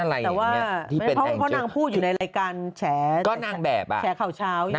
แชกเข้าเช้าเพราะนางแบบนางใก้ตังคือนางโท